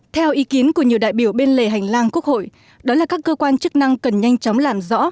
theo ý kiến của nhiều đại biểu bên lề hành lang quốc hội đó là các cơ quan chức năng cần nhanh chóng làm rõ